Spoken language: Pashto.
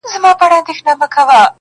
• ښه په کټ کټ مي تدبير را سره خاندي..